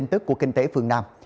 tin tức của kinh tế phương nam